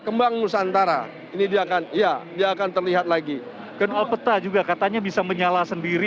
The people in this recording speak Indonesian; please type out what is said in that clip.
kembang nusantara ini dia akan ya dia akan terlihat lagi kedua peta juga katanya bisa menyala sendiri